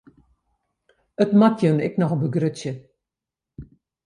It moat jin ek noch begrutsje.